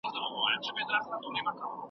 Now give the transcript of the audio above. حقایق باید د هنر په ژبه وړاندي سي.